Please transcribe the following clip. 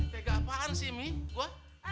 tega apaan sih mi gue